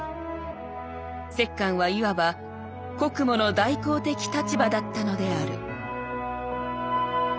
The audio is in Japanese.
摂関はいわば『国母の代行』的立場だったのである」。